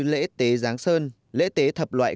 lễ tế giáng sơn lễ tế thập loại